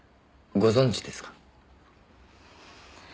ご存じですか？